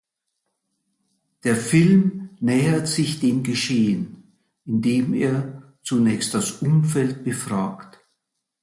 Der Film nähert sich dem Geschehen, indem er zunächst das Umfeld befragt.